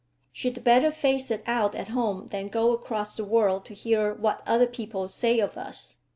"She'd better face it out at home than go across the world to hear what other people say of us.